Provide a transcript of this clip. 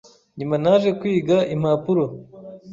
Nyuma naje kwiga impapuro